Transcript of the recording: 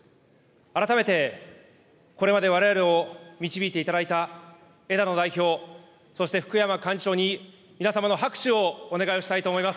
改めて、これまでわれわれを導いていただいた枝野代表、そして福山幹事長に皆様の拍手をお願いをしたいと思います。